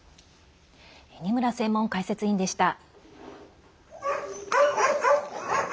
二村専門解説委員でした。